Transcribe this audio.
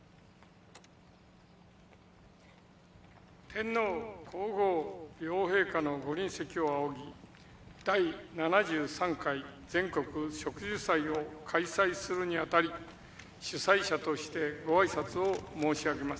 天皇皇后両陛下のご臨席を仰ぎ第７３回全国植樹祭を開催するにあたり主催者としてご挨拶を申し上げます。